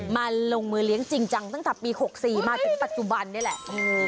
มาลงมือเลี้ยงจริงจังตั้งแต่ปี๖๔มาถึงปัจจุบันนี่แหละ